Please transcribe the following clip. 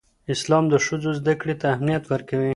اسلام د ښځو زدهکړې ته اهمیت ورکوي.